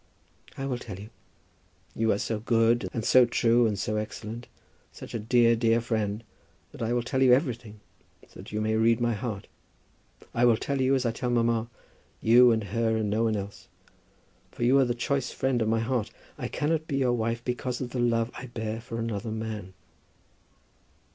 "I will tell you. You are so good and so true, and so excellent, such a dear, dear, dear friend, that I will tell you everything, so that you may read my heart. I will tell you as I tell mamma, you and her and no one else; for you are the choice friend of my heart. I cannot be your wife because of the love I bear for another man."